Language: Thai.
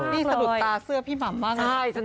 นี่สะดุดตาเสื้อพี่หม่ำมากเลย